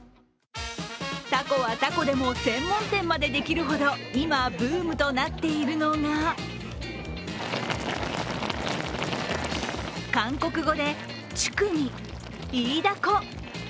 タコはタコでも専門店までできるほど、今ブームとなっているのが韓国語でチュクミ、イイダコ。